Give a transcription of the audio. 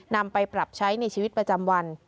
นำไปปรับใช้ในชีวิตประจำวัน